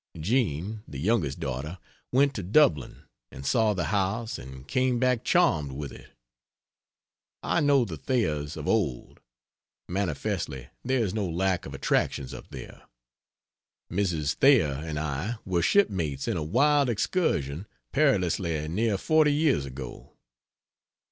Jean (the youngest daughter) went to Dublin and saw the house and came back charmed with it. I know the Thayers of old manifestly there is no lack of attractions up there. Mrs. Thayer and I were shipmates in a wild excursion perilously near 40 years ago.